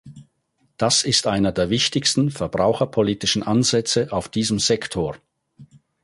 Das ist einer der wichtigsten verbraucherpolitischen Ansätze auf diesem Sektor.